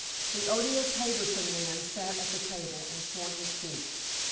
The odious Harbison man sat on the table and swung his feet.